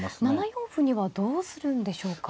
７四歩にはどうするんでしょうか。